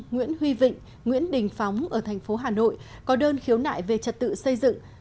nguyễn huy vịnh nguyễn đình phóng ở tp hà nội có đơn khiếu nại về trật tự xây dựng